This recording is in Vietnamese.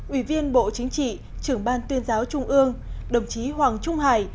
ủy viên bộ chính trị trưởng ban tuyên giáo trung ương đồng chí hoàng trung hải